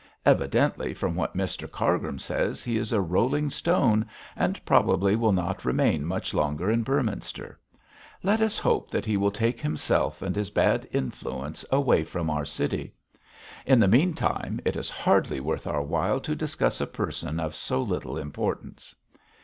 Evidently, from what Mr Cargrim says, he is a rolling stone, and probably will not remain much longer in Beorminster. Let us hope that he will take himself and his bad influence away from our city. In the meantime, it is hardly worth our while to discuss a person of so little importance.'